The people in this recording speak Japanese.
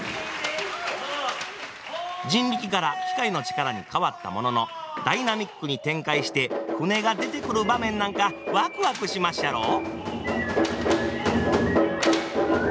人力から機械の力に変わったもののダイナミックに展開して舟が出てくる場面なんかワクワクしまっしゃろ！